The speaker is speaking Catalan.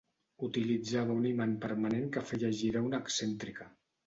Utilitzava un imant permanent que feia girar una excèntrica.